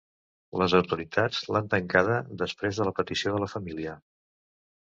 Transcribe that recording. Les autoritats l’han tancada després de la petició de la família.